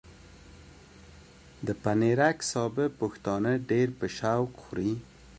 د پنېرک سابه پښتانه ډېر په شوق خوري۔